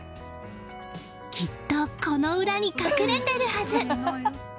きっと、この裏に隠れてるはず。